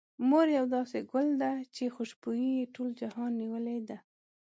مور يو داسې ګل ده، چې خوشبو يې ټول جهان نيولې ده.